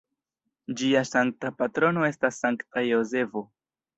Ĝia sankta patrono estas Sankta Jozefo.